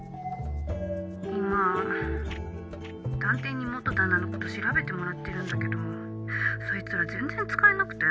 今探偵に元旦那のこと調べてもらってるんだけどそいつら全然使えなくて。